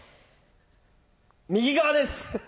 右側です